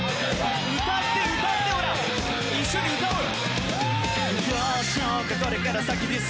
歌って歌ってほら、一緒に歌おうよ。